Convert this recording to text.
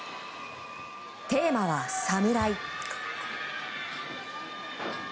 テーマは「サムライ」。